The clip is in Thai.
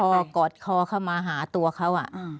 เขาล็อกคอกอดคอเข้ามาหาตัวเขา